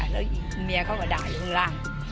แล้วอีกเมียเขาก็ด่าอยู่ข้างล่าง